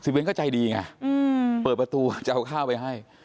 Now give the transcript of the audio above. เว้นก็ใจดีไงเปิดประตูจะเอาข้าวไปให้